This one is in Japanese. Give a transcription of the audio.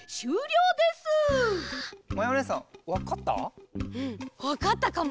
うんわかったかも。